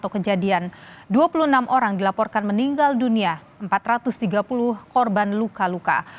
satu kejadian dua puluh enam orang dilaporkan meninggal dunia empat ratus tiga puluh korban luka luka